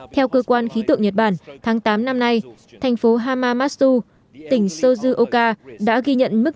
theo cơ quan khí tượng nhật bản tháng tám năm nay thành phố hama mastu tỉnh sozuoka đã ghi nhận mức